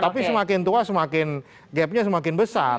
tapi semakin tua semakin gapnya semakin besar